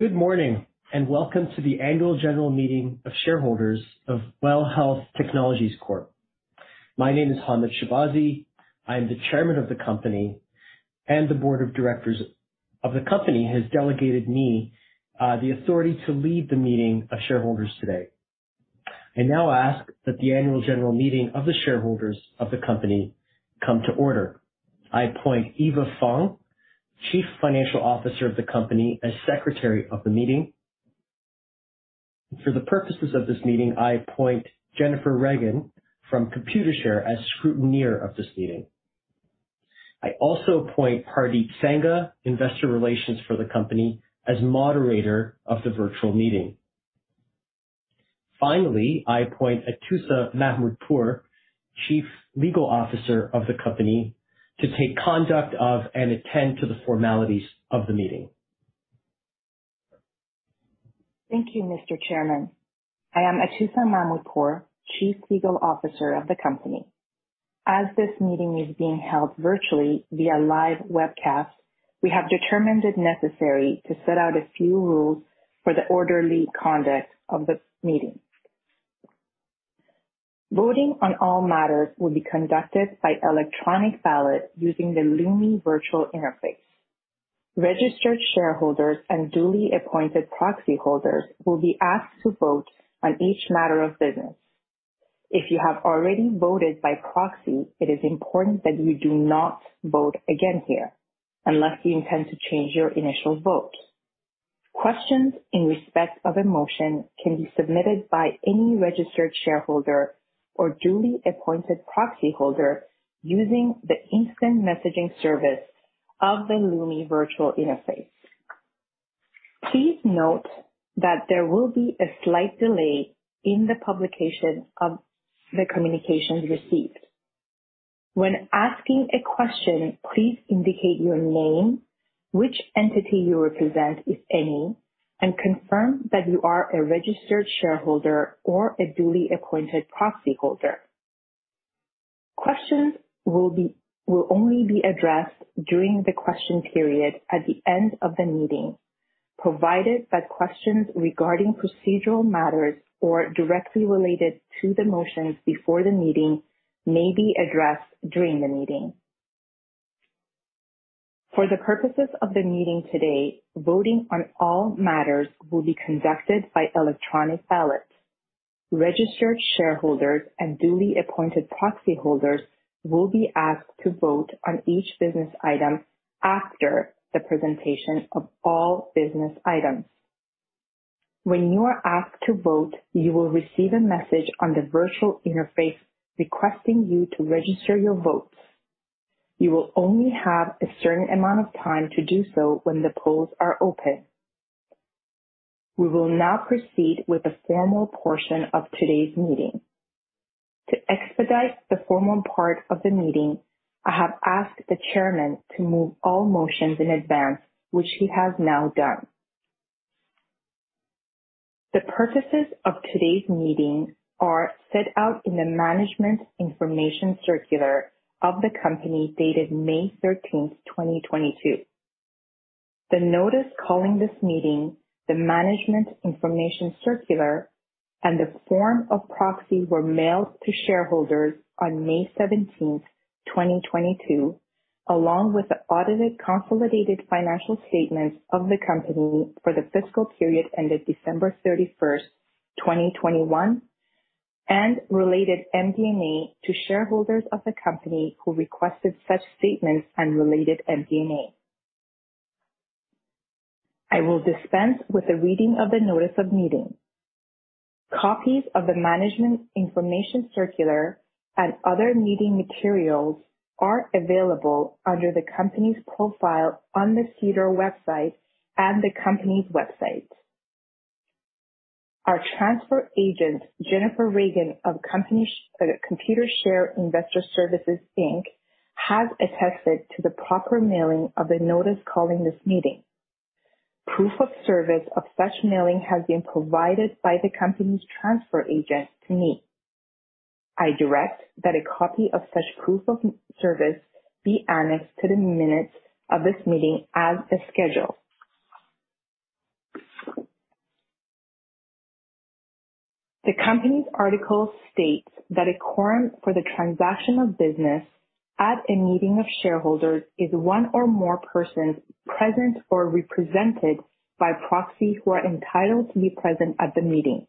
Good morning, and welcome to the Annual General Meeting of Shareholders of WELL Health Technologies Corp. My name is Hamed Shahbazi. I'm the Chairman of the company, and the board of directors of the company has delegated me the authority to lead the meeting of shareholders today. I now ask that the Annual General Meeting of the shareholders of the company come to order. I appoint Eva Fong, Chief Financial Officer of the company, as Secretary of the meeting. For the purposes of this meeting, I appoint Jennifer Reagan from Computershare as Scrutineer of this meeting. I also appoint Pardeep Sangha, Investor Relations for the company, as moderator of the virtual meeting. Finally, I appoint Atoussa Mahmoudpour, Chief Legal Officer of the company, to take conduct of and attend to the formalities of the meeting. Thank you, Mr. Chairman. I am Atoussa Mahmoudpour, Chief Legal Officer of the company. As this meeting is being held virtually via live webcast, we have determined it necessary to set out a few rules for the orderly conduct of this meeting. Voting on all matters will be conducted by electronic ballot using the Lumi Virtual Interface. Registered shareholders and duly appointed proxyholders will be asked to vote on each matter of business. If you have already voted by proxy, it is important that you do not vote again here unless you intend to change your initial vote. Questions in respect of a motion can be submitted by any registered shareholder or duly appointed proxyholder using the instant messaging service of the Lumi Virtual Interface. Please note that there will be a slight delay in the publication of the communications received. When asking a question, please indicate your name, which entity you represent, if any, and confirm that you are a registered shareholder or a duly appointed proxyholder. Questions will only be addressed during the question period at the end of the meeting, provided that questions regarding procedural matters or directly related to the motions before the meeting may be addressed during the meeting. For the purposes of the meeting today, voting on all matters will be conducted by electronic ballot. Registered shareholders and duly appointed proxyholders will be asked to vote on each business item after the presentation of all business items. When you are asked to vote, you will receive a message on the virtual interface requesting you to register your votes. You will only have a certain amount of time to do so when the polls are open. We will now proceed with the formal portion of today's meeting. To expedite the formal part of the meeting, I have asked the chairman to move all motions in advance, which he has now done. The purposes of today's meeting are set out in the management information circular of the company dated May 13th, 2022. The notice calling this meeting, the management information circular, and the form of proxy were mailed to shareholders on May 17th, 2022, along with the audited consolidated financial statements of the company for the fiscal period ended December 31st, 2021, and related MD&A to shareholders of the company who requested such statements and related MD&A. I will dispense with the reading of the notice of meeting. Copies of the management information circular and other meeting materials are available under the company's profile on the SEDAR website and the company's website. Our transfer agent, Jennifer Reagan of Computershare Investor Services Inc., has attested to the proper mailing of the notice calling this meeting. Proof of service of such mailing has been provided by the company's transfer agent to me. I direct that a copy of such proof of service be annexed to the minutes of this meeting as a schedule. The company's article states that a quorum for the transaction of business at a meeting of shareholders is one or more persons present or represented by proxy who are entitled to be present at the meeting.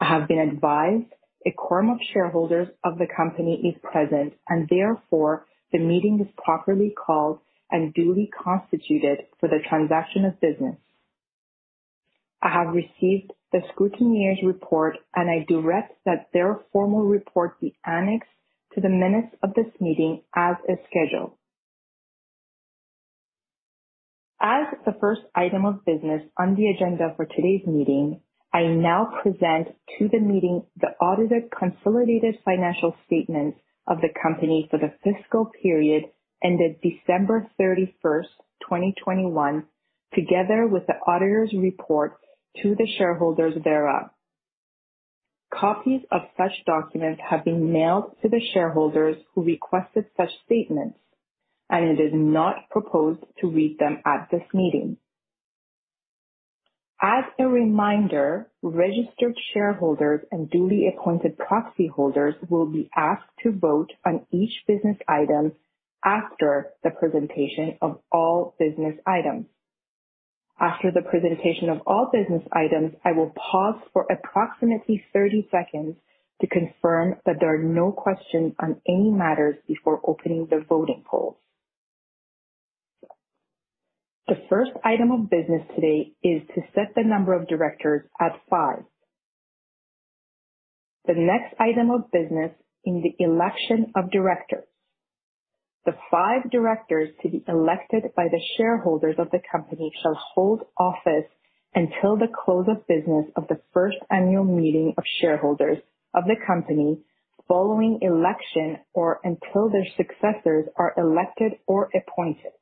I have been advised a quorum of shareholders of the company is present and therefore the meeting is properly called and duly constituted for the transaction of business. I have received the scrutineer's report, and I direct that their formal report be annexed to the minutes of this meeting as a schedule. As the first item of business on the agenda for today's meeting, I now present to the meeting the audited consolidated financial statements of the company for the fiscal period ended December 31, 2021, together with the auditor's report to the shareholders thereof. Copies of such documents have been mailed to the shareholders who requested such statements, and it is not proposed to read them at this meeting. As a reminder, registered shareholders and duly appointed proxy holders will be asked to vote on each business item after the presentation of all business items. After the presentation of all business items, I will pause for approximately 30 seconds to confirm that there are no questions on any matters before opening the voting polls. The first item of business today is to set the number of directors at five. The next item of business is the election of directors. The five directors to be elected by the shareholders of the company shall hold office until the close of business of the first annual meeting of shareholders of the company following election or until their successors are elected or appointed.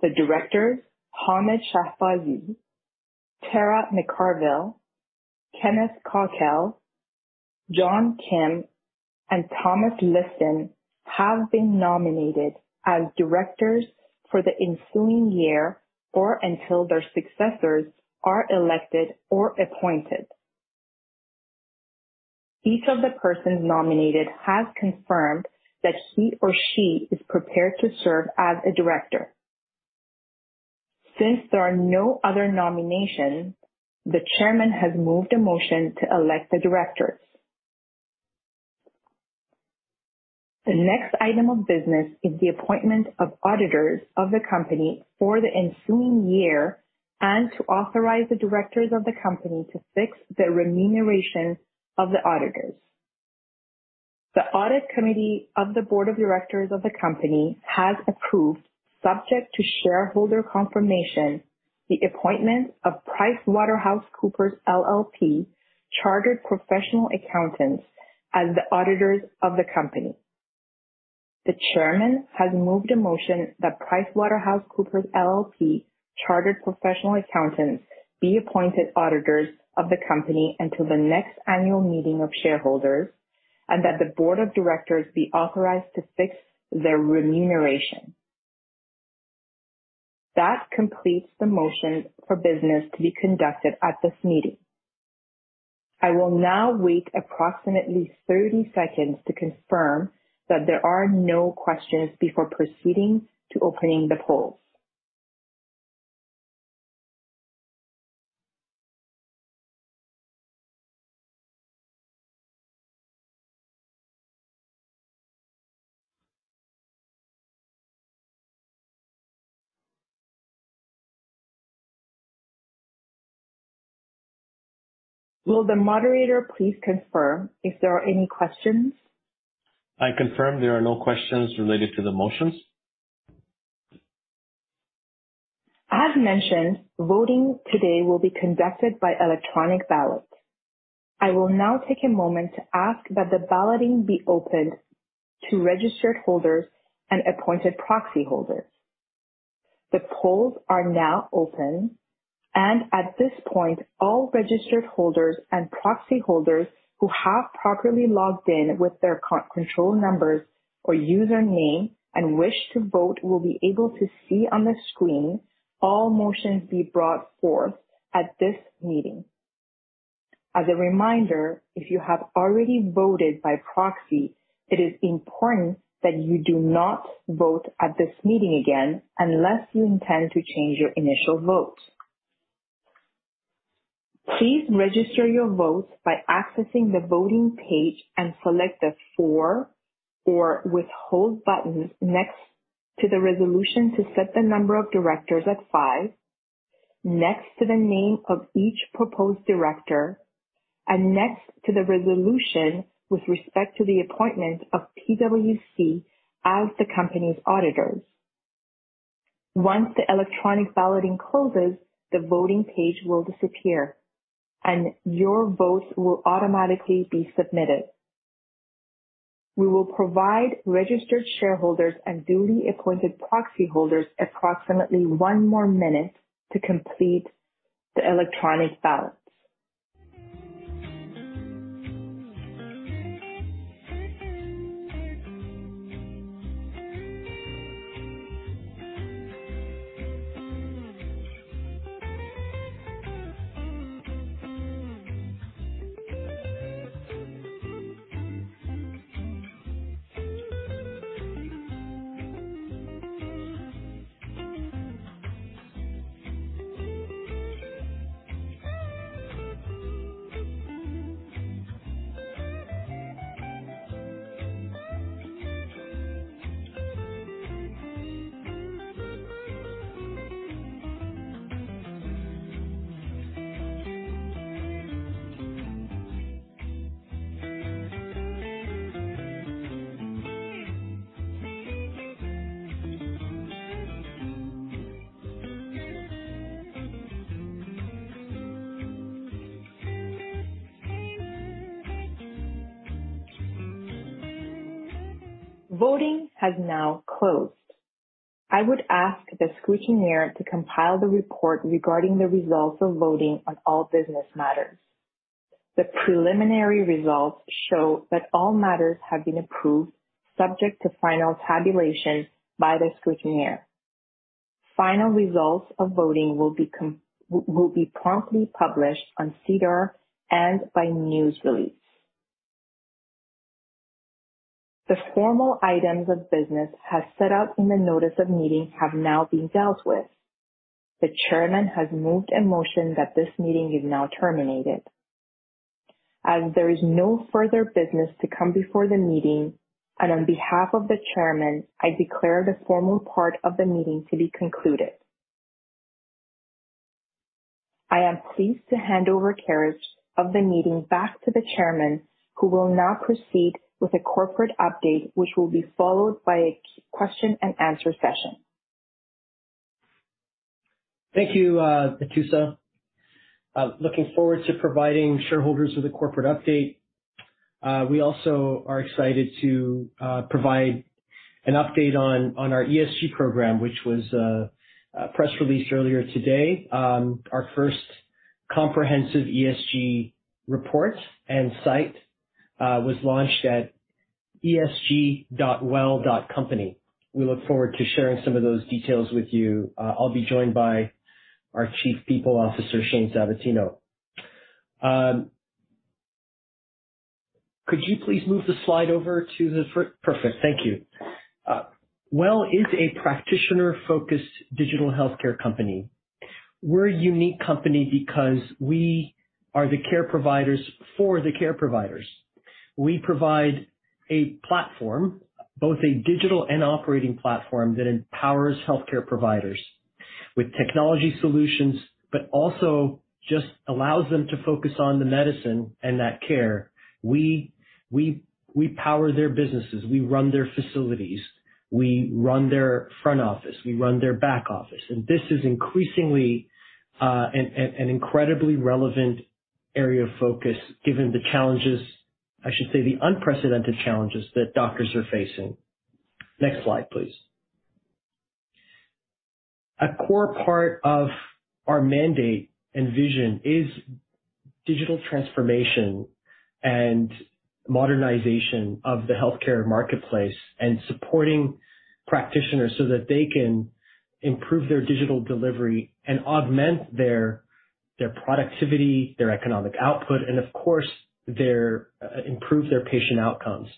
The Directors Hamed Shahbazi, Tara McCarville, Kenneth Cawkell, John Kim, and Thomas Liston have been nominated as Directors for the ensuing year or until their successors are elected or appointed. Each of the persons nominated has confirmed that he or she is prepared to serve as a director. Since there are no other nominations, the chairman has moved a motion to elect the directors. The next item of business is the appointment of auditors of the company for the ensuing year and to authorize the directors of the company to fix the remuneration of the auditors. The audit committee of the board of directors of the company has approved, subject to shareholder confirmation, the appointment of PricewaterhouseCoopers LLP Chartered Professional Accountants as the auditors of the company. The chairman has moved a motion that PricewaterhouseCoopers LLP Chartered Professional Accountants be appointed auditors of the company until the next annual meeting of shareholders. That the board of directors be authorized to fix their remuneration. That completes the motion for business to be conducted at this meeting. I will now wait approximately 30 seconds to confirm that there are no questions before proceeding to opening the polls. Will the moderator please confirm if there are any questions? I confirm there are no questions related to the motions. As mentioned, voting today will be conducted by electronic ballot. I will now take a moment to ask that the balloting be opened to registered holders and appointed proxy holders. The polls are now open, and at this point, all registered holders and proxy holders who have properly logged in with their control numbers or username and wish to vote, will be able to see on the screen all motions be brought forth at this meeting. As a reminder, if you have already voted by proxy, it is important that you do not vote at this meeting again unless you intend to change your initial vote. Please register your vote by accessing the voting page and select the for or withhold buttons next to the resolution to set the number of directors at five next to the name of each proposed director and next to the resolution with respect to the appointment of PwC as the company's auditors. Once the electronic balloting closes, the voting page will disappear, and your vote will automatically be submitted. We will provide registered shareholders and duly appointed proxy holders approximately one more minute to complete the electronic ballot. Voting has now closed. I would ask the scrutineer to compile the report regarding the results of voting on all business matters. The preliminary results show that all matters have been approved, subject to final tabulation by the scrutineer. Final results of voting will be promptly published on SEDAR and by news release. The formal items of business as set out in the notice of meeting have now been dealt with. The Chairman has moved a motion that this meeting is now terminated. As there is no further business to come before the meeting and on behalf of the Chairman, I declare the formal part of the meeting to be concluded. I am pleased to hand over carriage of the meeting back to the Chairman, who will now proceed with a corporate update, which will be followed by a question and answer session. Thank you, Atoussa. Looking forward to providing shareholders with a corporate update. We also are excited to provide an update on our ESG program, which was a press release earlier today. Our first comprehensive ESG report and site was launched at esg.well.company. We look forward to sharing some of those details with you. I'll be joined by our Chief People Officer, Shane Sabatino. Perfect. Thank you. WELL is a practitioner-focused digital healthcare company. We're a unique company because we are the care providers for the care providers. We provide a platform, both a digital and operating platform, that empowers healthcare providers with technology solutions, but also just allows them to focus on the medicine and that care. We power their businesses, we run their facilities, we run their front office, we run their back office. This is increasingly an incredibly relevant area of focus given the challenges, I should say, the unprecedented challenges that doctors are facing. Next slide, please. A core part of our mandate and vision is digital transformation and modernization of the healthcare marketplace and supporting practitioners so that they can improve their digital delivery and augment their productivity, their economic output, and of course, their improve their patient outcomes.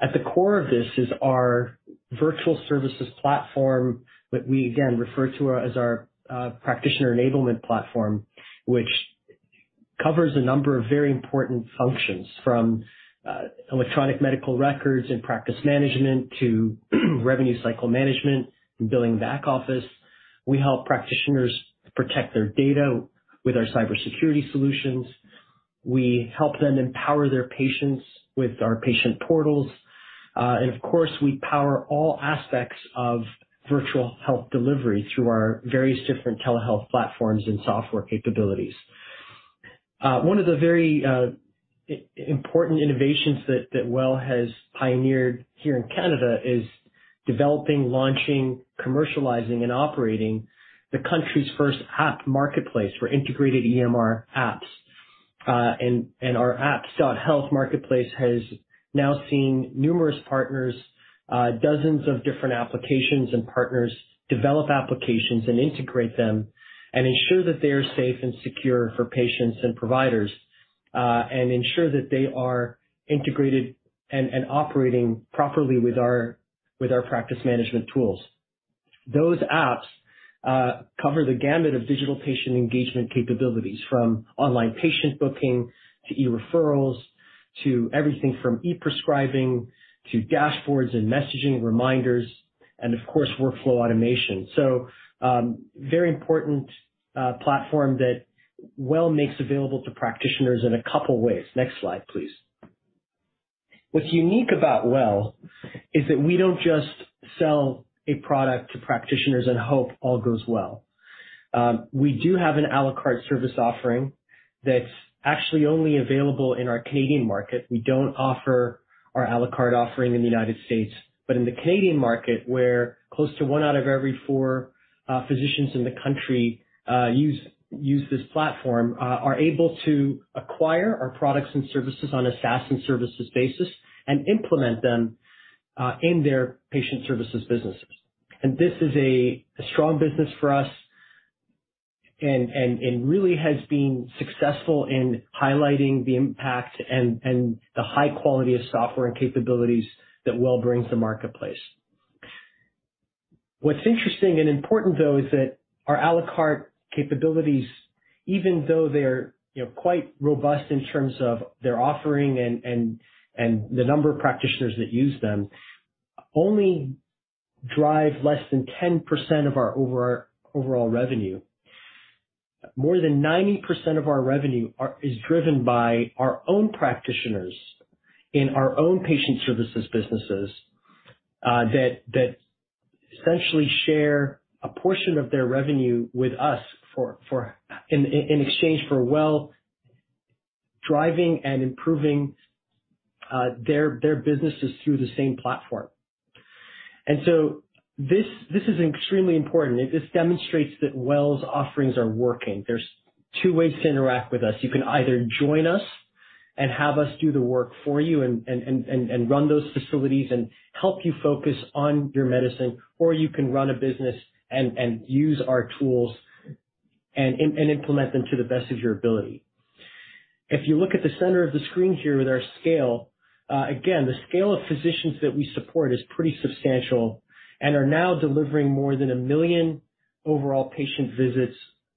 At the core of this is our virtual services platform that we again refer to as our practitioner enablement platform, which covers a number of very important functions from electronic medical records and practice management to revenue cycle management and billing back office. We help practitioners protect their data with our cybersecurity solutions. We help them empower their patients with our patient portals. Of course, we power all aspects of virtual health delivery through our various different telehealth platforms and software capabilities. One of the very important innovations that WELL has pioneered here in Canada is developing, launching, commercializing and operating the country's first app marketplace for integrated EMR apps. Our apps.health marketplace has now seen numerous partners, dozens of different applications and partners develop applications and integrate them and ensure that they are safe and secure for patients and providers, and ensure that they are integrated and operating properly with our practice management tools. Those apps cover the gamut of digital patient engagement capabilities, from online patient booking to e-referrals, to everything from e-prescribing to dashboards and messaging reminders, and of course, workflow automation. Very important platform that WELL makes available to practitioners in a couple ways. Next slide, please. What's unique about WELL is that we don't just sell a product to practitioners and hope all goes well. We do have an à la carte service offering that's actually only available in our Canadian market. We don't offer our à la carte offering in the United States. In the Canadian market, where close to one out of every four physicians in the country use this platform, are able to acquire our products and services on a SaaS and services basis and implement them in their patient services businesses. This is a strong business for us and really has been successful in highlighting the impact and the high quality of software and capabilities that Well brings to marketplace. What's interesting and important though is that our à la carte capabilities, even though they're, you know, quite robust in terms of their offering and the number of practitioners that use them, only drive less than 10% of our overall revenue. More than 90% of our revenue is driven by our own practitioners in our own patient services businesses that essentially share a portion of their revenue with us in exchange for WELL driving and improving their businesses through the same platform. This is extremely important. This demonstrates that WELL's offerings are working. There's two ways to interact with us. You can either join us and have us do the work for you and run those facilities and help you focus on your medicine, or you can run a business and use our tools and implement them to the best of your ability. If you look at the center of the screen here with our scale, again, the scale of physicians that we support is pretty substantial and are now delivering more than a million overall patient visits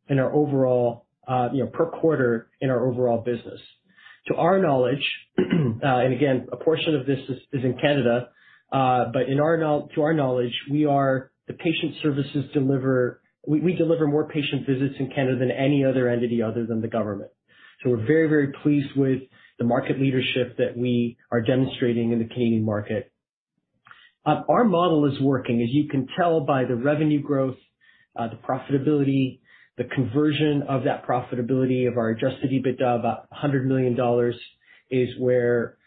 in our overall, you know, per quarter in our overall business. To our knowledge, and again, a portion of this is in Canada, but to our knowledge, we deliver more patient visits in Canada than any other entity other than the government. We're very, very pleased with the market leadership that we are demonstrating in the Canadian market. Our model is working, as you can tell by the revenue growth, the profitability, the conversion of that profitability of our adjusted EBITDA of 100 million dollars is where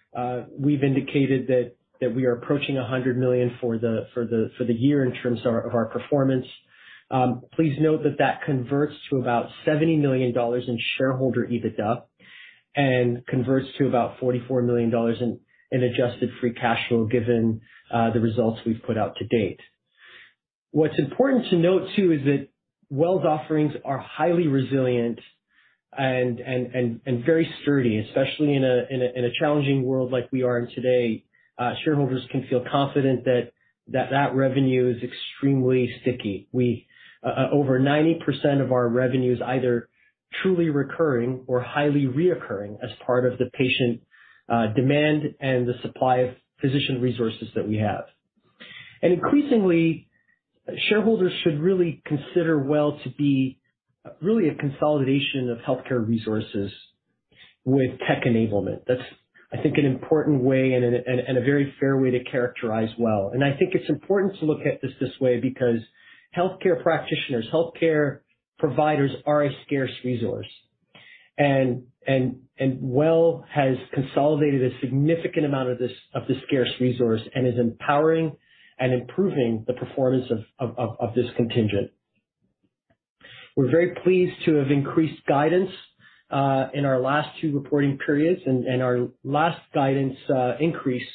we've indicated that we are approaching 100 million for the year in terms of our performance. Please note that that converts to about 70 million dollars in shareholder EBITDA and converts to about 44 million dollars in adjusted free cash flow, given the results we've put out to date. What's important to note too is that WELL's offerings are highly resilient and very sturdy, especially in a challenging world like we are in today. Shareholders can feel confident that revenue is extremely sticky. We over 90% of our revenue is either truly recurring or highly recurring as part of the patient demand and the supply of physician resources that we have. Increasingly, shareholders should really consider WELL to be really a consolidation of healthcare resources with tech enablement. That's, I think, an important way and a very fair way to characterize WELL. I think it's important to look at this way because healthcare practitioners, healthcare providers are a scarce resource. WELL has consolidated a significant amount of this scarce resource and is empowering and improving the performance of this contingent. We're very pleased to have increased guidance in our last two reporting periods, and our last guidance increase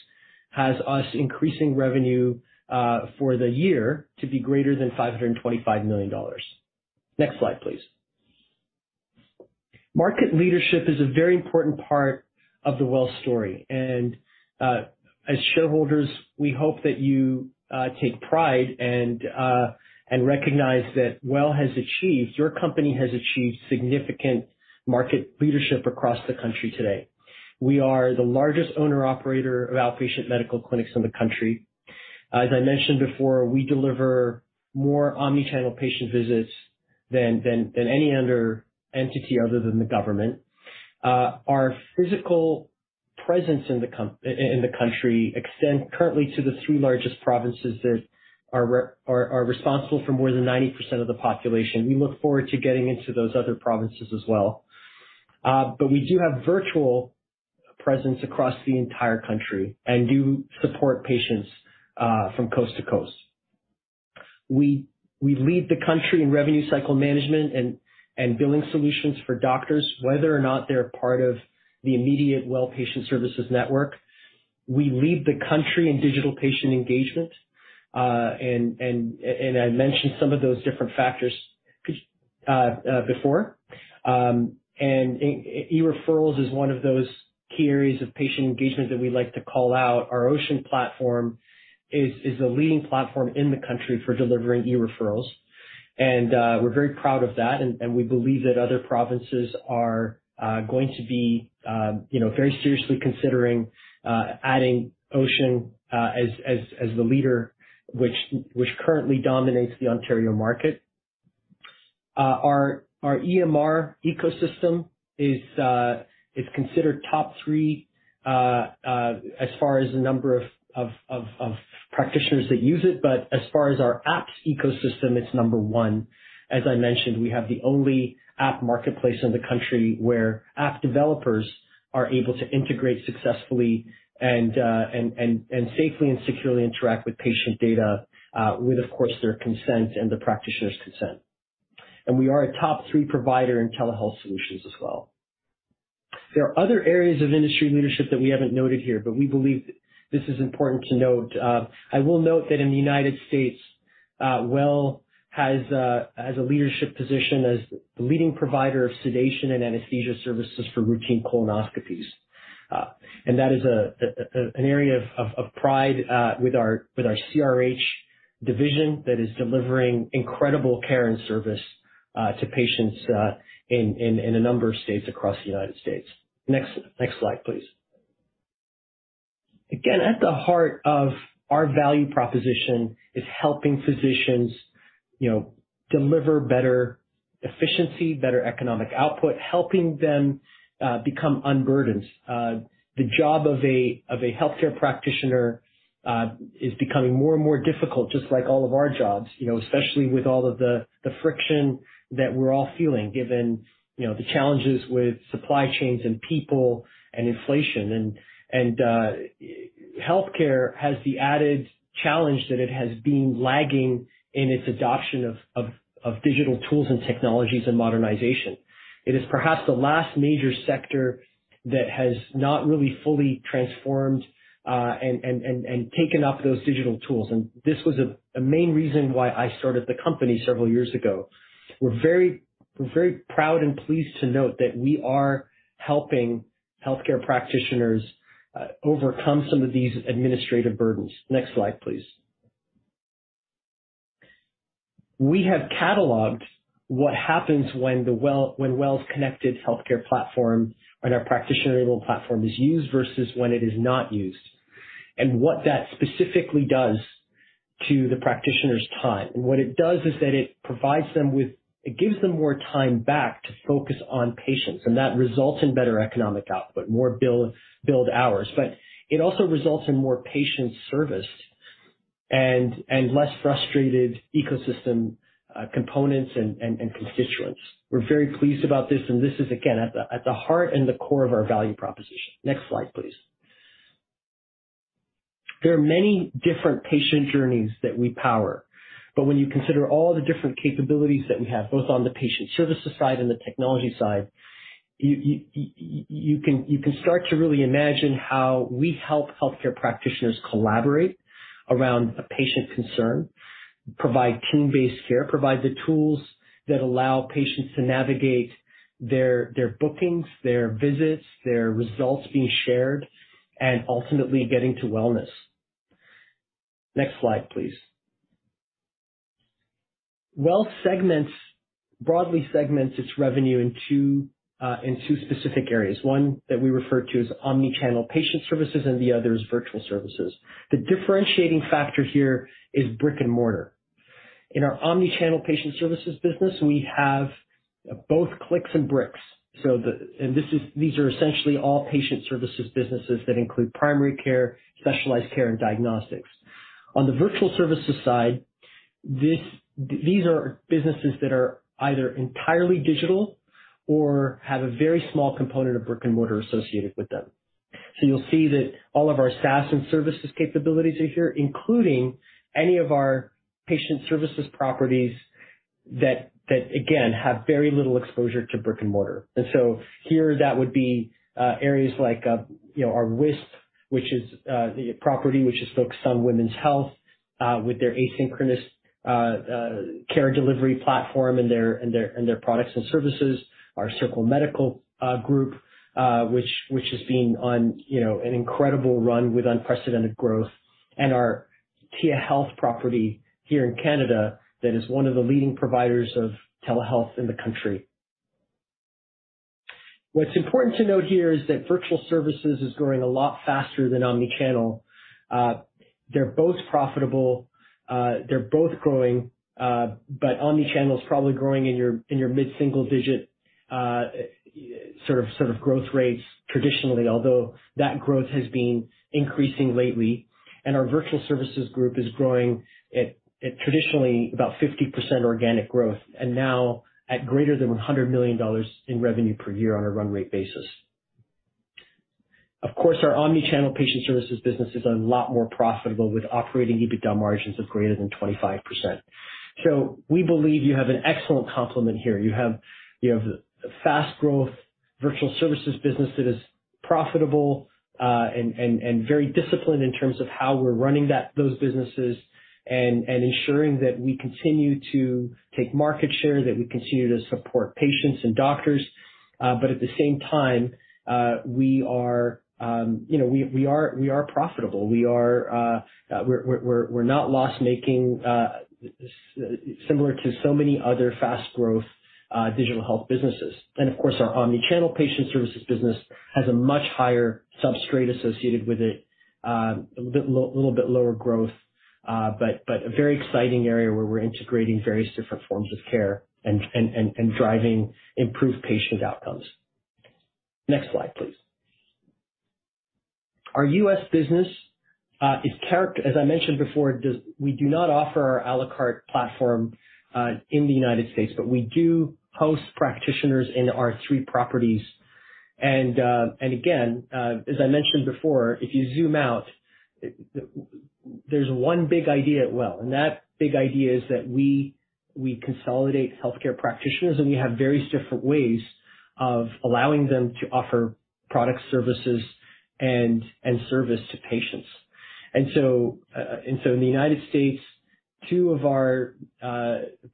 has us increasing revenue for the year to be greater than 525 million dollars. Next slide, please. Market leadership is a very important part of the WELL story. As shareholders, we hope that you take pride and recognize that WELL has achieved, your company has achieved significant market leadership across the country today. We are the largest owner/operator of outpatient medical clinics in the country. As I mentioned before, we deliver more omni-channel patient visits than any other entity other than the government. Our physical presence in the country extend currently to the three largest provinces that are responsible for more than 90% of the population. We look forward to getting into those other provinces as well. We do have virtual presence across the entire country and do support patients from coast to coast. We lead the country in revenue cycle management and billing solutions for doctors, whether or not they're part of the immediate WELL patient services network. We lead the country in digital patient engagement. I mentioned some of those different factors before. E-referrals is one of those key areas of patient engagement that we like to call out. Our OceanMD platform is the leading platform in the country for delivering e-referrals. We're very proud of that and we believe that other provinces are going to be, you know, very seriously considering adding OceanMD as the leader, which currently dominates the Ontario market. Our EMR ecosystem is considered top three as far as the number of practitioners that use it. But as far as our apps.health ecosystem, it's number one. As I mentioned, we have the only app marketplace in the country where app developers are able to integrate successfully and safely and securely interact with patient data, with, of course, their consent and the practitioner's consent. We are a top three provider in telehealth solutions as well. There are other areas of industry leadership that we haven't noted here, but we believe this is important to note. I will note that in the United States, WELL has a leadership position as the leading provider of sedation and anesthesia services for routine colonoscopies. That is an area of pride with our CRH division that is delivering incredible care and service to patients in a number of states across the United States. Next slide, please. Again, at the heart of our value proposition is helping physicians, you know, deliver better efficiency, better economic output, helping them become unburdened. The job of a healthcare practitioner is becoming more and more difficult just like all of our jobs, you know, especially with all of the friction that we're all feeling given, you know, the challenges with supply chains and people and inflation. Healthcare has the added challenge that it has been lagging in its adoption of digital tools and technologies and modernization. It is perhaps the last major sector that has not really fully transformed and taken up those digital tools. This was a main reason why I started the company several years ago. We're very proud and pleased to note that we are helping healthcare practitioners overcome some of these administrative burdens. Next slide, please. We have cataloged what happens when WELL's connected healthcare platform and our practitioner-enabled platform is used versus when it is not used, and what that specifically does to the practitioner's time. What it does is that it provides them with more time back to focus on patients, and that results in better economic output, more billed hours. It also results in more patient service and less frustrated ecosystem components and constituents. We're very pleased about this, and this is again at the heart and the core of our value proposition. Next slide, please. There are many different patient journeys that we power, but when you consider all the different capabilities that we have, both on the patient services side and the technology side, you can start to really imagine how we help healthcare practitioners collaborate around a patient concern, provide team-based care, provide the tools that allow patients to navigate their bookings, their visits, their results being shared, and ultimately getting to wellness. Next slide, please. WELL segments broadly its revenue in two specific areas. One that we refer to as omni-channel patient services and the other is virtual services. The differentiating factor here is brick and mortar. In our omni-channel patient services business, we have both clicks and bricks. So these are essentially all patient services businesses that include primary care, specialized care, and diagnostics. On the virtual services side, these are businesses that are either entirely digital or have a very small component of brick and mortar associated with them. You'll see that all of our SaaS and services capabilities are here, including any of our patient services properties that again have very little exposure to brick and mortar. Here that would be areas like you know our Wisp, which is the property which is focused on women's health with their asynchronous care delivery platform and their products and services. Our Circle Medical group, which has been on you know an incredible run with unprecedented growth. Our Tia Health property here in Canada that is one of the leading providers of telehealth in the country. What's important to note here is that virtual services is growing a lot faster than omni-channel. They're both profitable, they're both growing, but omni-channel is probably growing in your mid-single digit sort of growth rates traditionally, although that growth has been increasing lately. Our virtual services group is growing at traditionally about 50% organic growth and now at greater than 100 million dollars in revenue per year on a run rate basis. Of course, our omni-channel patient services business is a lot more profitable with operating EBITDA margins of greater than 25%. We believe you have an excellent complement here. You have a fast growth virtual services business that is profitable, and very disciplined in terms of how we're running those businesses and ensuring that we continue to take market share, that we continue to support patients and doctors. At the same time, you know, we are profitable. We're not loss-making, similar to so many other fast growth digital health businesses. Of course, our omni-channel patient services business has a much higher upside associated with it. A little bit lower growth, but a very exciting area where we're integrating various different forms of care and driving improved patient outcomes. Next slide, please. Our U.S. business. As I mentioned before, we do not offer our à la carte platform in the United States, but we do host practitioners in our three properties. As I mentioned before, if you zoom out, there's one big idea at WELL, and that big idea is that we consolidate healthcare practitioners, and we have various different ways of allowing them to offer products and services to patients. In the United States, two of our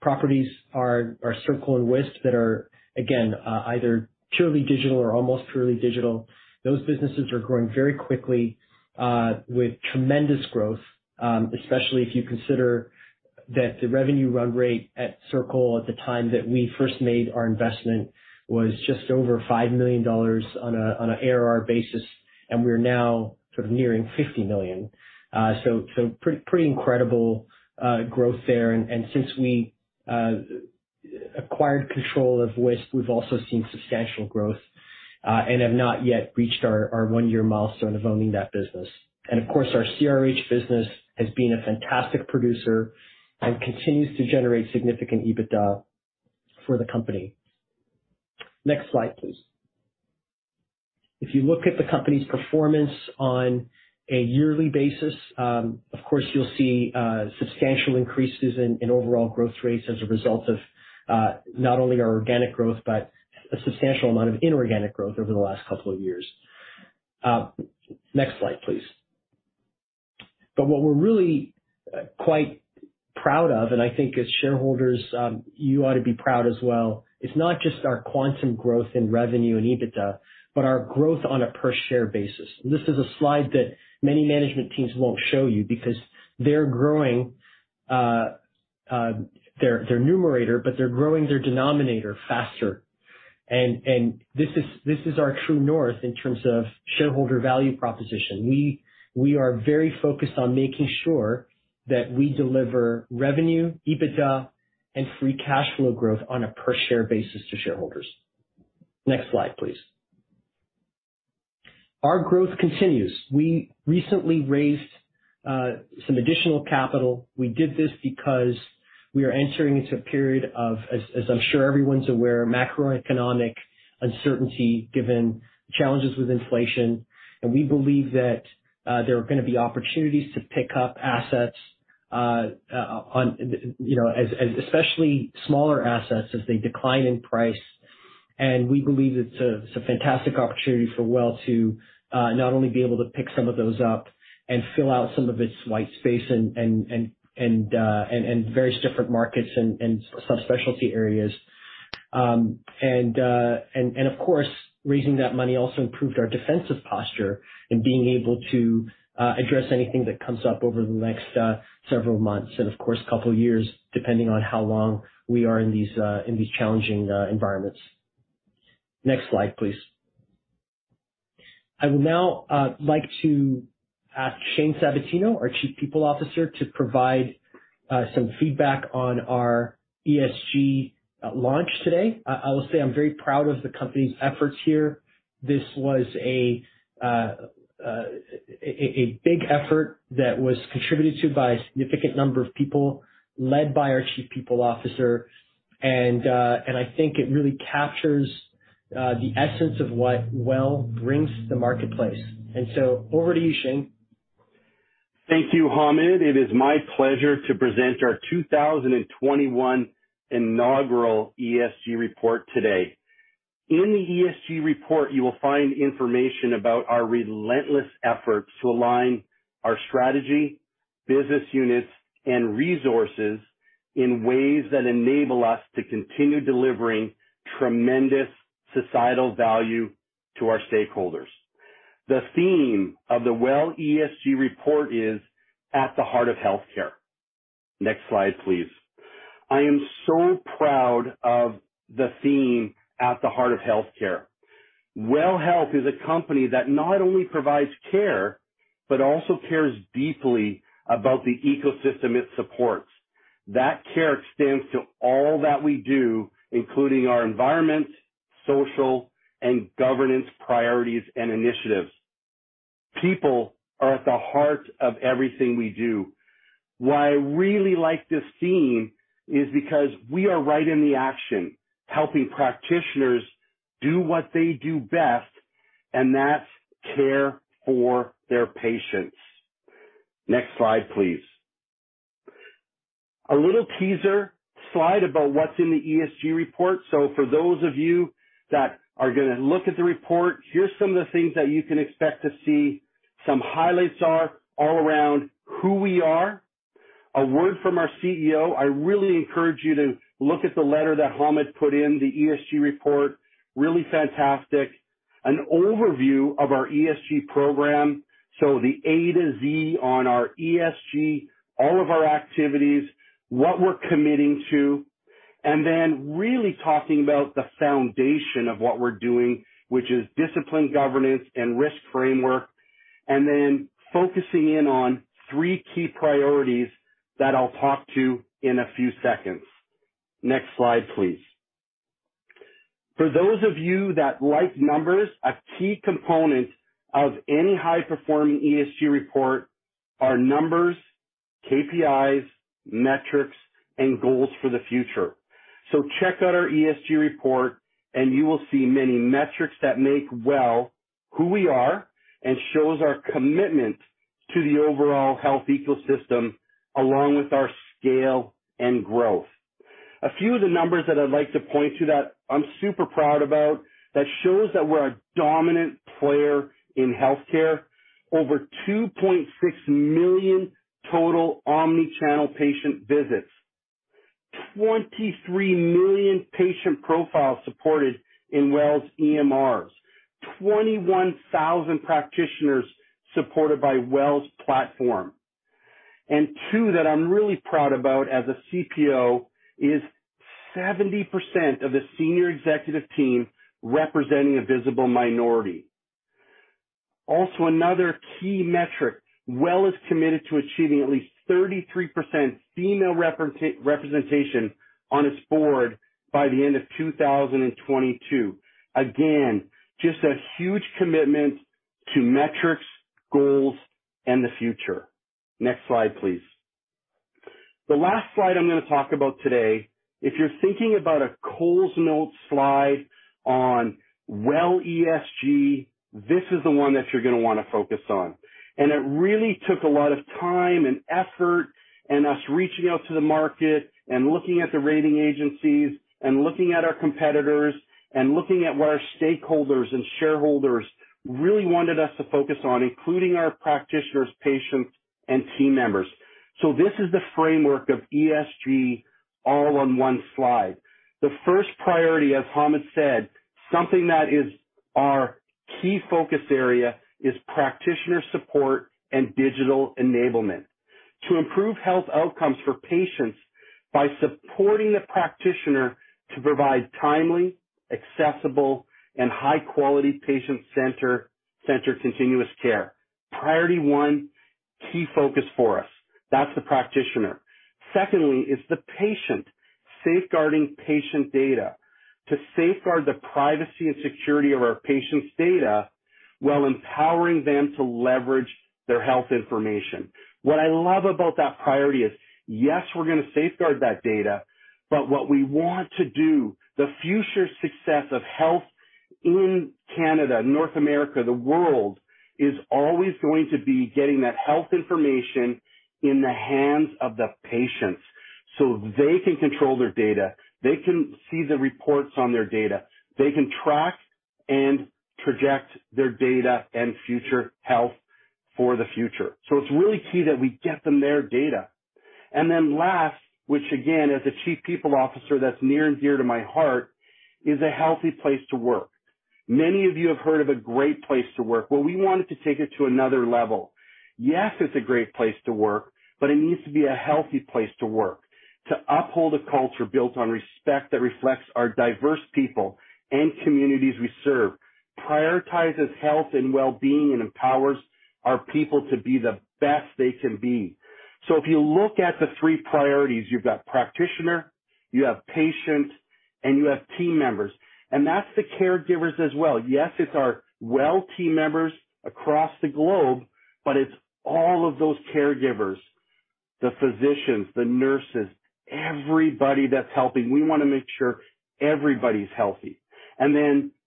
properties are Circle and Wisp that are, again, either purely digital or almost purely digital. Those businesses are growing very quickly with tremendous growth, especially if you consider that the revenue run rate at Circle at the time that we first made our investment was just over $5 million on a ARR basis. We're now sort of nearing $50 million. So pretty incredible growth there. Since we acquired control of Wisp, we've also seen substantial growth and have not yet reached our one-year milestone of owning that business. Of course, our CRH business has been a fantastic producer and continues to generate significant EBITDA for the company. Next slide, please. If you look at the company's performance on a yearly basis, of course, you'll see substantial increases in overall growth rates as a result of not only our organic growth, but a substantial amount of inorganic growth over the last couple of years. Next slide, please. What we're really quite proud of, and I think as shareholders you ought to be proud as well, is not just our quantum growth in revenue and EBITDA, but our growth on a per-share basis. This is a slide that many management teams won't show you because they're growing their numerator, but they're growing their denominator faster. This is our true north in terms of shareholder value proposition. We are very focused on making sure that we deliver revenue, EBITDA, and free cash flow growth on a per-share basis to shareholders. Next slide, please. Our growth continues. We recently raised some additional capital. We did this because we are entering into a period of, as I'm sure everyone's aware, macroeconomic uncertainty given challenges with inflation. We believe that there are gonna be opportunities to pick up assets on, you know, as especially smaller assets as they decline in price. We believe it's a fantastic opportunity for WELL to not only be able to pick some of those up and fill out some of its white space and various different markets and subspecialty areas. Of course, raising that money also improved our defensive posture in being able to address anything that comes up over the next several months and of course, couple years, depending on how long we are in these challenging environments. Next slide, please. I will now like to ask Shane Sabatino, our Chief People Officer, to provide some feedback on our ESG launch today. I will say I'm very proud of the company's efforts here. This was a big effort that was contributed to by a significant number of people, led by our Chief People Officer, and I think it really captures the essence of what WELL brings to the marketplace. Over to you, Shane. Thank you, Hamed. It is my pleasure to present our 2021 inaugural ESG report today. In the ESG report, you will find information about our relentless efforts to align our strategy, business units, and resources in ways that enable us to continue delivering tremendous societal value to our stakeholders. The theme of the WELL ESG report is At the Heart of Healthcare. Next slide, please. I am so proud of the theme At the Heart of Healthcare. WELL Health is a company that not only provides care but also cares deeply about the ecosystem it supports. That care extends to all that we do, including our environment, social, and governance priorities and initiatives. People are at the heart of everything we do. Why I really like this theme is because we are right in the action, helping practitioners do what they do best, and that's care for their patients. Next slide, please. A little teaser slide about what's in the ESG report. For those of you that are gonna look at the report, here's some of the things that you can expect to see. Some highlights are all around who we are. A word from our CEO. I really encourage you to look at the letter that Hamed put in the ESG report. Really fantastic. An overview of our ESG program, so the A to Z on our ESG, all of our activities, what we're committing to. Really talking about the foundation of what we're doing, which is disciplined governance and risk framework, and then focusing in on three key priorities that I'll talk to in a few seconds. Next slide, please. For those of you that like numbers, a key component of any high-performing ESG report are numbers, KPIs, metrics, and goals for the future. Check out our ESG report, and you will see many metrics that make WELL who we are and shows our commitment to the overall health ecosystem, along with our scale and growth. A few of the numbers that I'd like to point to that I'm super proud about that shows that we're a dominant player in healthcare. Over 2.6 million total omni-channel patient visits. 23 million patient profiles supported in WELL's EMRs. 21,000 practitioners supported by WELL's platform. Two, that I'm really proud about as a CPO is 70% of the senior executive team representing a visible minority. Another key metric, WELL is committed to achieving at least 33% female representation on its board by the end of 2022. Again, just a huge commitment to metrics, goals, and the future. Next slide, please. The last slide I'm gonna talk about today, if you're thinking about a Cole's Notes slide on WELL ESG, this is the one that you're gonna wanna focus on. It really took a lot of time and effort and us reaching out to the market and looking at the rating agencies and looking at our competitors and looking at what our stakeholders and shareholders really wanted us to focus on, including our practitioners, patients, and team members. This is the framework of ESG all on one slide. The first priority, as Hamed said, something that is our key focus area is practitioner support and digital enablement. To improve health outcomes for patients by supporting the practitioner to provide timely, accessible, and high-quality patient-centered continuous care. Priority one, key focus for us. That's the practitioner. Secondly is the patient. Safeguarding patient data. To safeguard the privacy and security of our patients' data while empowering them to leverage their health information. What I love about that priority is, yes, we're gonna safeguard that data, but what we want to do, the future success of health in Canada, North America, the world, is always going to be getting that health information in the hands of the patients so they can control their data. They can see the reports on their data. They can track and project their data and future health for the future. It's really key that we get them their data. Then last, which again, as a Chief People Officer that's near and dear to my heart, is a healthy place to work. Many of you have heard of a great place to work. Well, we wanted to take it to another level. Yes, it's a great place to work, but it needs to be a healthy place to work, to uphold a culture built on respect that reflects our diverse people and communities we serve, prioritizes health and well-being, and empowers our people to be the best they can be. If you look at the three priorities, you've got practitioner, you have patient, and you have team members. That's the caregivers as well. Yes, it's our WELL team members across the globe, but it's all of those caregivers, the physicians, the nurses, everybody that's helping. We wanna make sure everybody's healthy.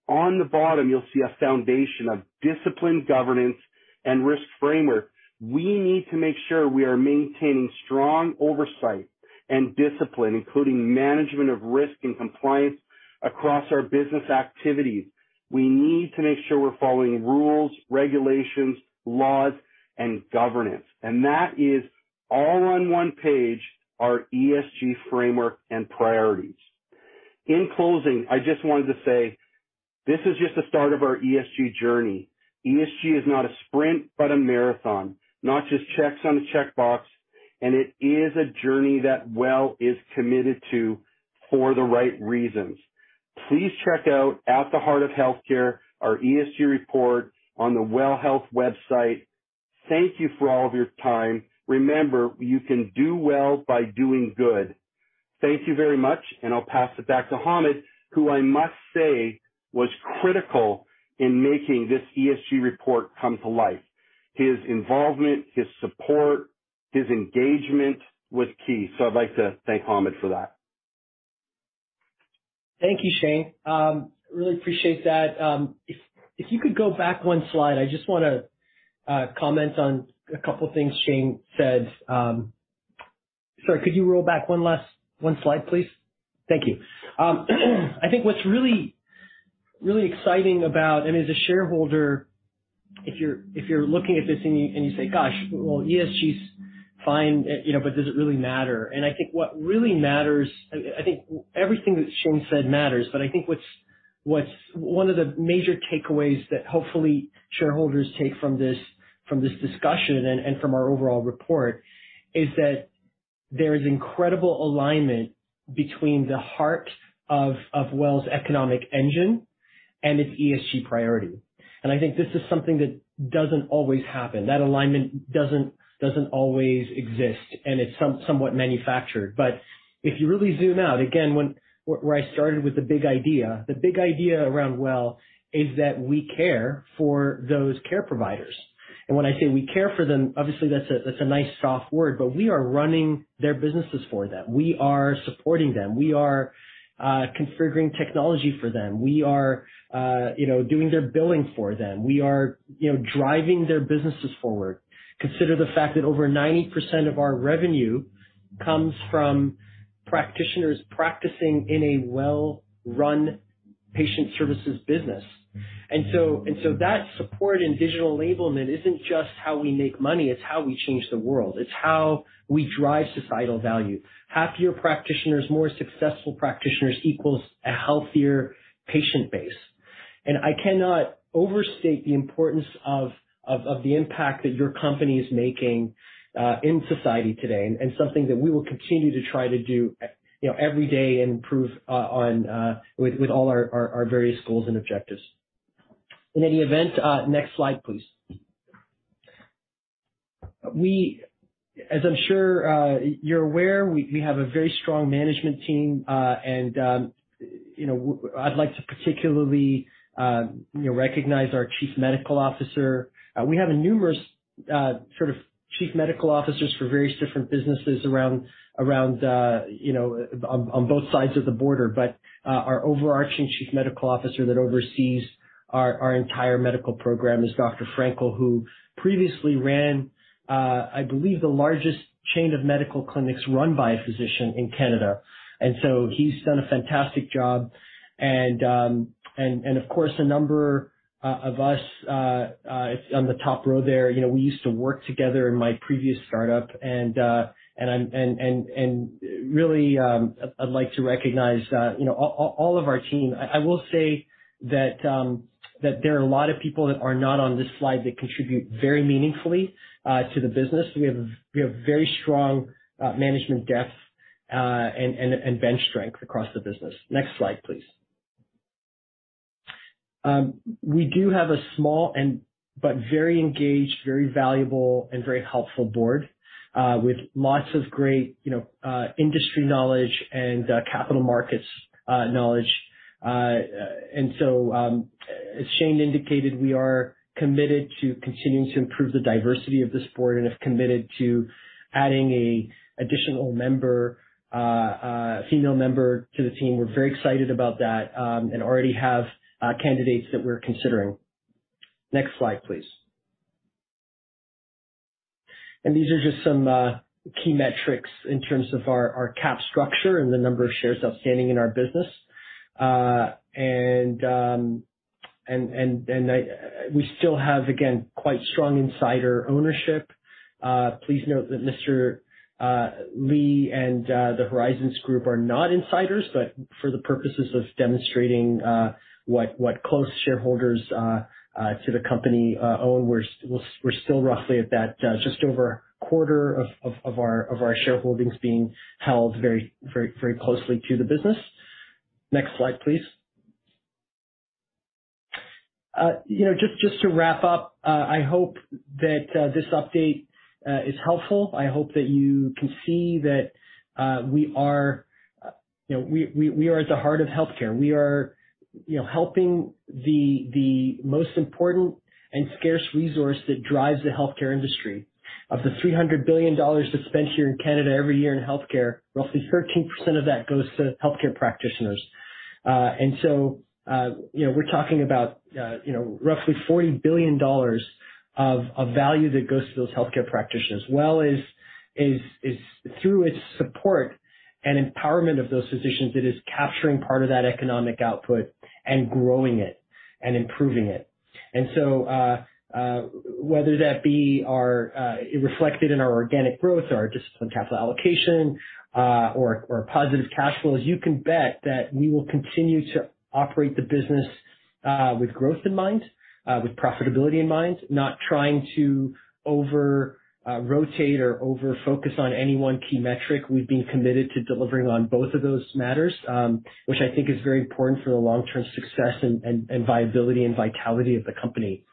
On the bottom, you'll see a foundation of disciplined governance and risk framework. We need to make sure we are maintaining strong oversight and discipline, including management of risk and compliance across our business activities. We need to make sure we're following rules, regulations, laws, and governance. That is all on one page, our ESG framework and priorities. In closing, I just wanted to say this is just the start of our ESG journey. ESG is not a sprint but a marathon, not just checks on a checkbox, and it is a journey that WELL is committed to for the right reasons. Please check out At the Heart of Healthcare, our ESG report on the WELL Health website. Thank you for all of your time. Remember, you can do well by doing good. Thank you very much, and I'll pass it back to Hamed, who I must say was critical in making this ESG report come to life. His involvement, his support, his engagement was key. I'd like to thank Hamed for that. Thank you, Shane. Really appreciate that. If you could go back one slide, I just wanna comment on a couple things Shane said. Sorry, could you roll back one slide, please? Thank you. I think what's really exciting about, and as a shareholder, if you're looking at this and you say, "Gosh, well, ESG's fine, you know, but does it really matter?" I think what really matters. I think everything that Shane said matters, but I think what's one of the major takeaways that hopefully shareholders take from this discussion and from our overall report is that there is incredible alignment between the heart of WELL's economic engine and its ESG priority. I think this is something that doesn't always happen. That alignment doesn't always exist, and it's somewhat manufactured. If you really zoom out, again, where I started with the big idea, the big idea around WELL is that we care for those care providers. When I say we care for them, obviously that's a nice soft word, but we are running their businesses for them. We are supporting them. We are configuring technology for them. We are, you know, doing their billing for them. We are, you know, driving their businesses forward. Consider the fact that over 90% of our revenue comes from practitioners practicing in a WELL-run patient services business. That support and digital enablement isn't just how we make money, it's how we change the world. It's how we drive societal value. Happier practitioners, more successful practitioners equals a healthier patient base. I cannot overstate the importance of the impact that your company is making in society today and something that we will continue to try to do, you know, every day and improve on with all our various goals and objectives. In any event, next slide, please. As I'm sure you're aware, we have a very strong management team. I'd like to particularly you know recognize our Chief Medical Officer. We have numerous sort of chief medical officers for various different businesses around you know on both sides of the border. Our overarching Chief Medical Officer that oversees our entire medical program is Michael Frankel, who previously ran I believe the largest chain of medical clinics run by a physician in Canada. He's done a fantastic job. Of course, a number of us it's on the top row there. You know, we used to work together in my previous startup and really I'd like to recognize you know all of our team. I will say that there are a lot of people that are not on this slide that contribute very meaningfully to the business. We have very strong management depth and bench strength across the business. Next slide, please. We do have a small but very engaged, very valuable, and very helpful board, with lots of great, you know, industry knowledge and capital markets knowledge. As Shane indicated, we are committed to continuing to improve the diversity of this board and have committed to adding an additional member, female member to the team. We're very excited about that, and already have candidates that we're considering. Next slide, please. These are just some key metrics in terms of our cap structure and the number of shares outstanding in our business. We still have, again, quite strong insider ownership. Please note that Mr. Li and the Horizons Ventures are not insiders, but for the purposes of demonstrating what close shareholders to the company own, we're still roughly at that just over a quarter of our shareholdings being held very closely to the business. Next slide, please. You know, just to wrap up, I hope that this update is helpful. I hope that you can see that we are, you know, we are At the Heart of Healthcare. We are, you know, helping the most important and scarce resource that drives the healthcare industry. Of the 300 billion dollars that's spent here in Canada every year in healthcare, roughly 13% of that goes to healthcare practitioners. We're talking about roughly $40 billion of value that goes to those healthcare practitioners. WELL is through its support and empowerment of those physicians, it is capturing part of that economic output and growing it and improving it. Whether that be reflected in our organic growth or just some capital allocation, or positive cash flows, you can bet that we will continue to operate the business with growth in mind, with profitability in mind. Not trying to over-rotate or over-focus on any one key metric. We've been committed to delivering on both of those matters, which I think is very important for the long-term success and viability and vitality of the company.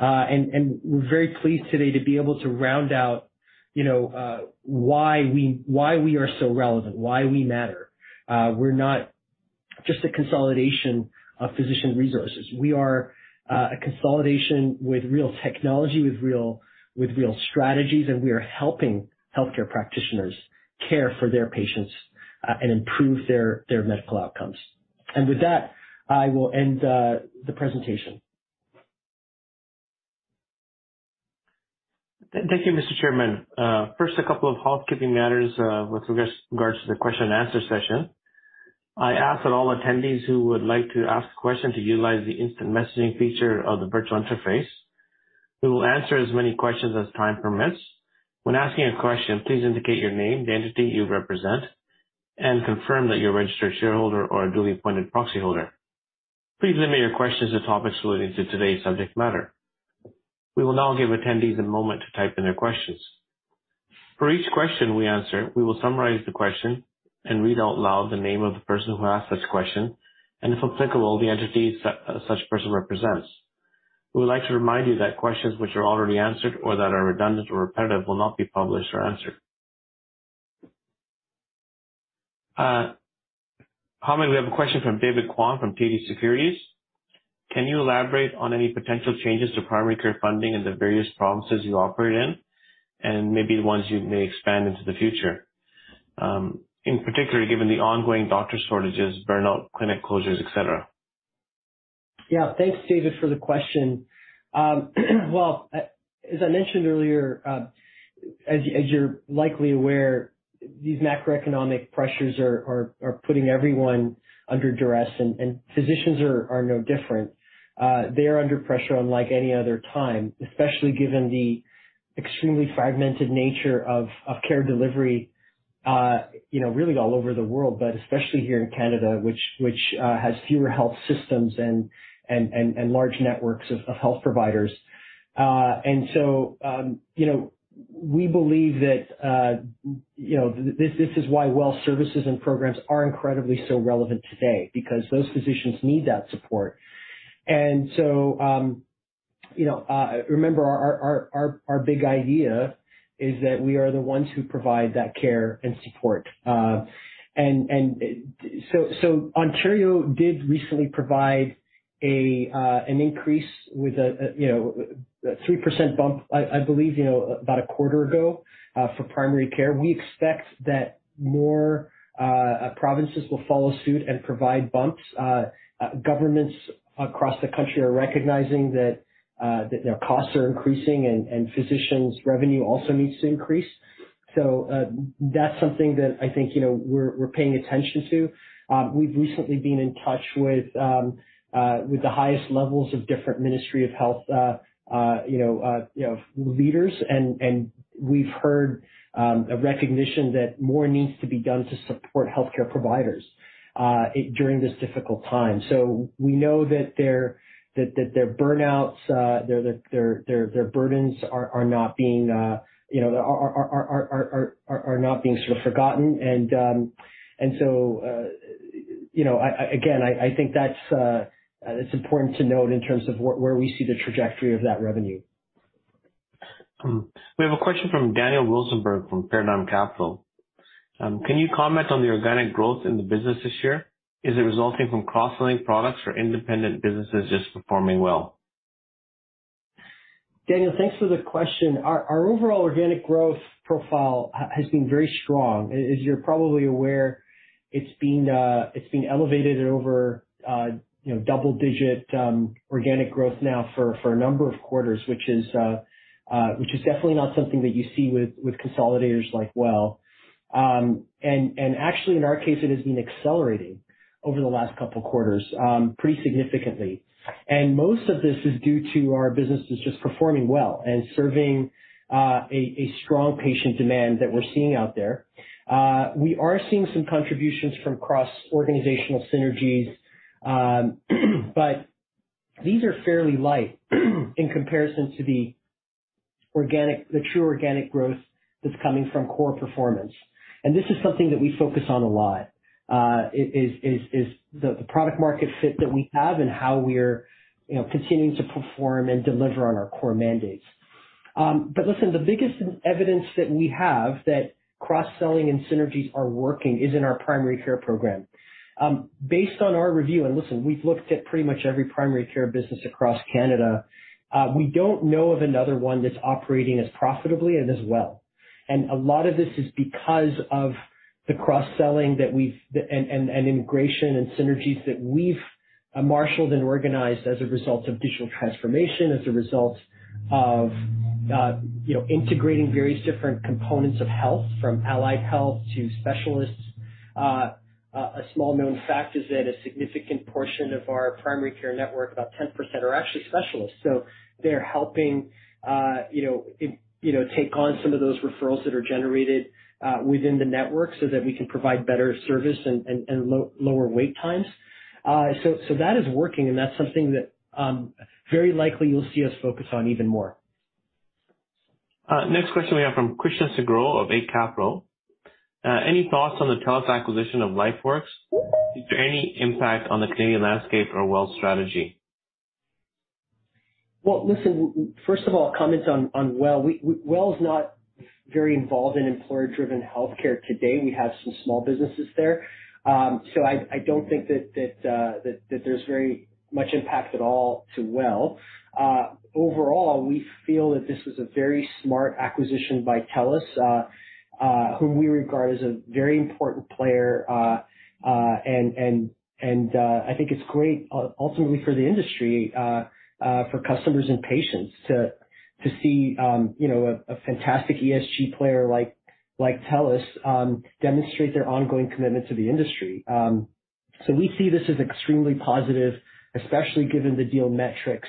We're very pleased today to be able to round out, you know, why we are so relevant, why we matter. We're not just a consolidation of physician resources. We are a consolidation with real technology, with real strategies, and we are helping healthcare practitioners care for their patients and improve their medical outcomes. With that, I will end the presentation. Thank you, Mr. Chairman. First, a couple of housekeeping matters with regards to the question and answer session. I ask that all attendees who would like to ask a question utilize the instant messaging feature of the virtual interface. We will answer as many questions as time permits. When asking a question, please indicate your name, the entity you represent, and confirm that you're a registered shareholder or a duly appointed proxyholder. Please limit your questions to topics relating to today's subject matter. We will now give attendees a moment to type in their questions. For each question we answer, we will summarize the question and read out loud the name of the person who asked such question, and if applicable, the entity such person represents. We would like to remind you that questions which are already answered or that are redundant or repetitive will not be published or answered. Hamed, we have a question from David Kwan from PI Financial. Can you elaborate on any potential changes to primary care funding in the various provinces you operate in, and maybe the ones you may expand into the future? In particular, given the ongoing doctor shortages, burnout, clinic closures, et cetera. Yeah. Thanks, David, for the question. As I mentioned earlier, as you're likely aware, these macroeconomic pressures are putting everyone under duress and physicians are no different. They are under pressure unlike any other time, especially given the extremely fragmented nature of care delivery. You know, really all over the world, but especially here in Canada, which has fewer health systems and large networks of health providers. You know, we believe that this is why WELL services and programs are incredibly so relevant today because those physicians need that support. You know, remember our big idea is that we are the ones who provide that care and support. Ontario did recently provide an increase with, you know, a 3% bump, I believe, you know, about a quarter ago, for primary care. We expect that more provinces will follow suit and provide bumps. Governments across the country are recognizing that their costs are increasing and physicians' revenue also needs to increase. That's something that I think, you know, we're paying attention to. We've recently been in touch with the highest levels of different Ministry of Health leaders, and we've heard a recognition that more needs to be done to support healthcare providers during this difficult time. We know that their burnouts, their burdens are not being, you know, sort of forgotten. You know, again, I think that's important to note in terms of where we see the trajectory of that revenue. We have a question from Daniel Rosenberg from Paradigm Capital. Can you comment on the organic growth in the business this year? Is it resulting from cross-selling products or independent businesses just performing well? Daniel, thanks for the question. Our overall organic growth profile has been very strong. As you're probably aware, it's been elevated at over, you know, double digit organic growth now for a number of quarters, which is definitely not something that you see with consolidators like WELL. Actually, in our case, it has been accelerating over the last couple quarters, pretty significantly. Most of this is due to our businesses just performing well and serving a strong patient demand that we're seeing out there. We are seeing some contributions from cross-organizational synergies. But these are fairly light in comparison to the organic, the true organic growth that's coming from core performance. This is something that we focus on a lot, is the product market fit that we have and how we're, you know, continuing to perform and deliver on our core mandates. Listen, the biggest evidence that we have that cross-selling and synergies are working is in our primary care program. Based on our review, listen, we've looked at pretty much every primary care business across Canada, we don't know of another one that's operating as profitably and as well. A lot of this is because of the cross-selling that we've and integration and synergies that we've marshaled and organized as a result of digital transformation, as a result of, you know, integrating various different components of health from allied health to specialists. A small known fact is that a significant portion of our primary care network, about 10%, are actually specialists. They're helping, you know, take on some of those referrals that are generated within the network so that we can provide better service and lower wait times. That is working, and that's something that very likely you'll see us focus on even more. Next question we have from Krishna Sehgal of Eight Capital. Any thoughts on the TELUS acquisition of LifeWorks? Is there any impact on the Canadian landscape or WELL's strategy? Well, listen, first of all, I'll comment on WELL. WELL is not very involved in employer-driven healthcare today. We have some small businesses there. So I don't think that there's very much impact at all to WELL. Overall, we feel that this was a very smart acquisition by TELUS, whom we regard as a very important player, and I think it's great ultimately for the industry, for customers and patients to see, you know, a fantastic ESG player like TELUS demonstrate their ongoing commitment to the industry. So we see this as extremely positive, especially given the deal metrics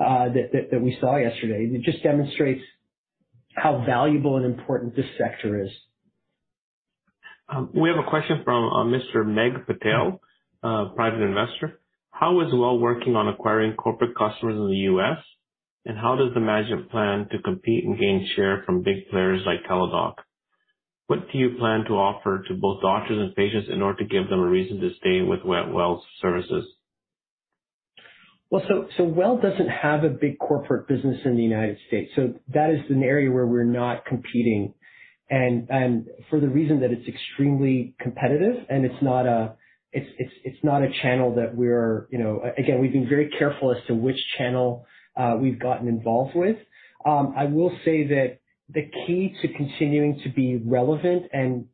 that we saw yesterday. It just demonstrates how valuable and important this sector is. We have a question from Mr. Mehul Patel, private investor. How is WELL working on acquiring corporate customers in the U.S., and how does the management plan to compete and gain share from big players like Teladoc? What do you plan to offer to both doctors and patients in order to give them a reason to stay with WELL's services? Well doesn't have a big corporate business in the United States, so that is an area where we're not competing, and for the reason that it's extremely competitive and it's not a channel that we're, you know. Again, we've been very careful as to which channel we've gotten involved with. I will say that the key to continuing to be relevant and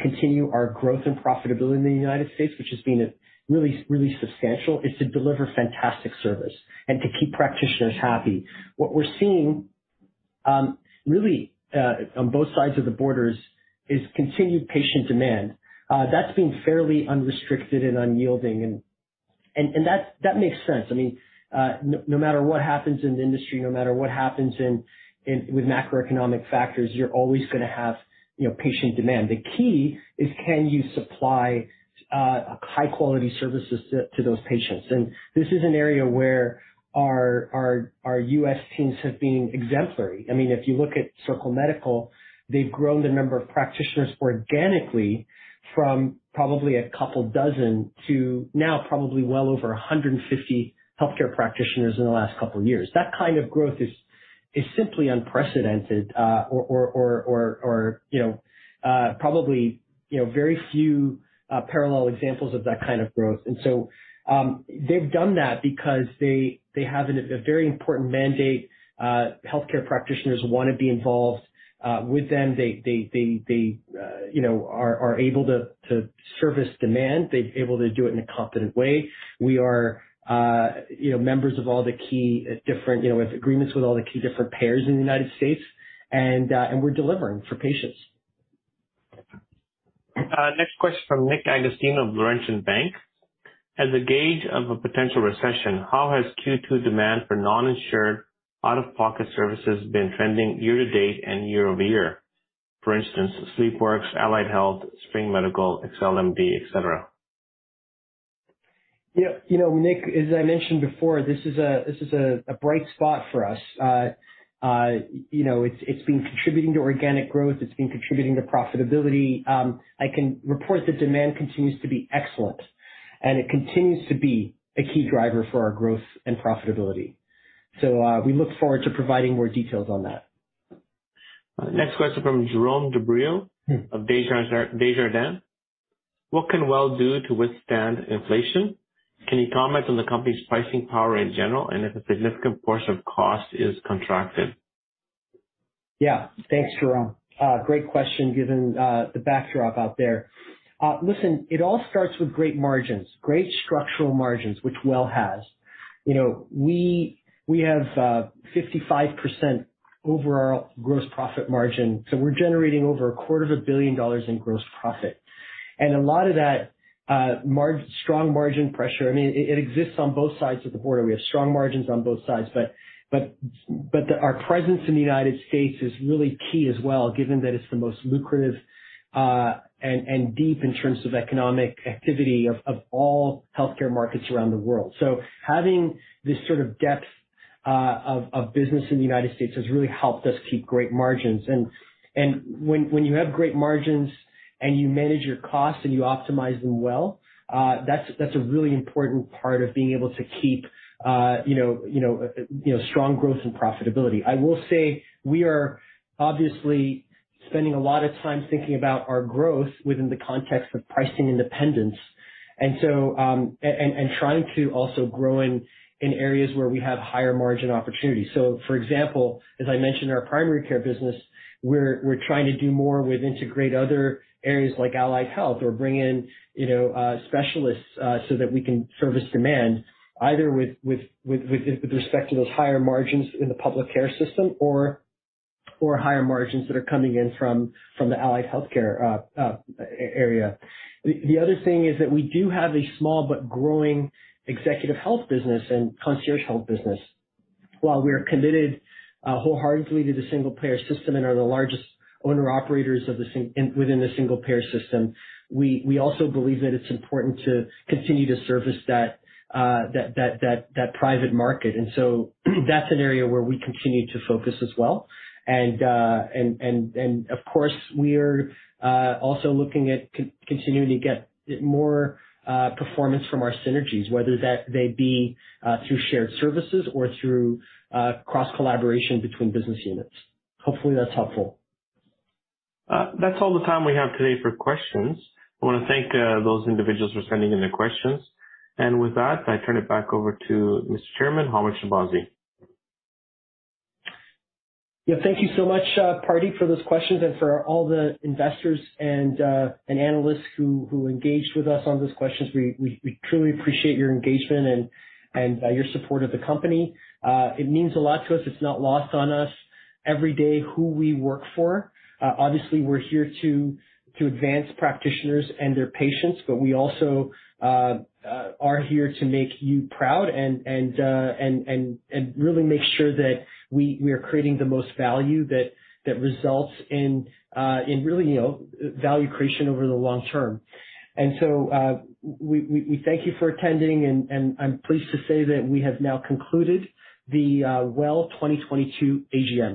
continue our growth and profitability in the United States, which has been really substantial, is to deliver fantastic service and to keep practitioners happy. What we're seeing, really, on both sides of the border is continued patient demand. That's been fairly unrestricted and unyielding, and that makes sense. I mean, no matter what happens in the industry, no matter what happens in. With macroeconomic factors, you're always gonna have, you know, patient demand. The key is can you supply high quality services to those patients? This is an area where our U.S. teams have been exemplary. I mean, if you look at Circle Medical, they've grown the number of practitioners organically from probably a couple dozen to now probably well over 150 healthcare practitioners in the last couple years. That kind of growth is simply unprecedented, or probably very few parallel examples of that kind of growth. They've done that because they have a very important mandate. Healthcare practitioners wanna be involved with them. They are able to service demand. They're able to do it in a competent way. We are, you know, with agreements with all the key different payers in the United States and we're delivering for patients. Next question from Nick Agostino of Laurentian Bank. As a gauge of a potential recession, how has Q2 demand for non-insured out-of-pocket services been trending year to date and year over year? For instance, SleepWorks, Allied Health, Spring Medical, ExcelleMD, et cetera. You know, Nick, as I mentioned before, this is a bright spot for us. You know, it's been contributing to organic growth, it's been contributing to profitability. I can report the demand continues to be excellent, and it continues to be a key driver for our growth and profitability. We look forward to providing more details on that. Next question from Jerome Dubreuil of Desjardins. What can Well do to withstand inflation? Can you comment on the company's pricing power in general, and if a significant portion of cost is contracted? Yeah. Thanks, Jerome. Great question given the backdrop out there. Listen, it all starts with great margins, great structural margins, which WELL has. You know, we have 55% overall gross profit margin, so we're generating over a quarter of a billion dollars in gross profit. A lot of that, strong margin pressure, I mean, it exists on both sides of the border. We have strong margins on both sides, but our presence in the United States is really key as well, given that it's the most lucrative and deep in terms of economic activity of all healthcare markets around the world. Having this sort of depth of business in the United States has really helped us keep great margins. When you have great margins and you manage your costs and you optimize them well, that's a really important part of being able to keep you know strong growth and profitability. I will say we are obviously spending a lot of time thinking about our growth within the context of pricing independence, and so and trying to also grow in areas where we have higher margin opportunities. For example, as I mentioned, our primary care business, we're trying to do more with integrate other areas like Allied Health or bring in you know specialists so that we can service demand either with respect to those higher margins in the public care system or higher margins that are coming in from the Allied Healthcare area. The other thing is that we do have a small but growing executive health business and concierge health business. While we're committed wholeheartedly to the single payer system and are the largest owner-operators within the single payer system, we also believe that it's important to continue to service that private market. That's an area where we continue to focus as well. Of course we are also looking at continuing to get more performance from our synergies, whether that may be through shared services or through cross collaboration between business units. Hopefully, that's helpful. That's all the time we have today for questions. I wanna thank those individuals for sending in their questions. With that, I turn it back over to Mr. Chairman, Hamed Shahbazi. Yeah. Thank you so much, Pardeep, for those questions and for all the investors and analysts who engaged with us on those questions. We truly appreciate your engagement and your support of the company. It means a lot to us. It's not lost on us every day who we work for. Obviously we're here to advance practitioners and their patients, but we also are here to make you proud and really make sure that we are creating the most value that results in really, you know, value creation over the long term. We thank you for attending and I'm pleased to say that we have now concluded the WELL 2022 AGM.